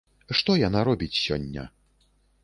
Што яна робіць сёння?